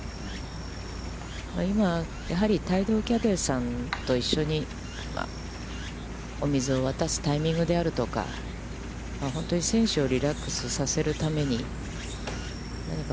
今、やはり帯同キャディーさんと一緒にお水を渡すタイミングであるとか、本当に選手をリラックスさせるために何か